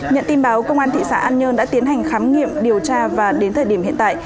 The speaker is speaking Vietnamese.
nhận tin báo công an thị xã an nhơn đã tiến hành khám nghiệm điều tra và đến thời điểm hiện tại